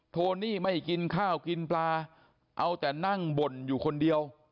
โทนี่ไม่กินข้าวกินปลาเอาแต่นั่งบ่นอยู่คนเดียว